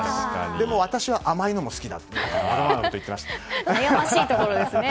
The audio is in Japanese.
でも私は甘いほうが好きだと悩ましいところですね。